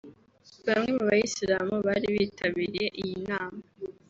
Bamwe mu bayisilamu bari bitabiriye iyi nama